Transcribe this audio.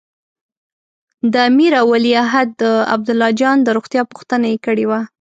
د امیر او ولیعهد عبدالله جان د روغتیا پوښتنه یې کړې وه.